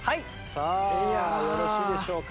さあよろしいでしょうか？